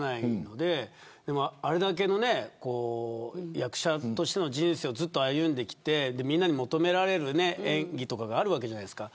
でも、あれだけの役者としての人生をずっと歩んできてみんなに求められる演技とかがあるわけじゃないですか。